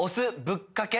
ぶっかけ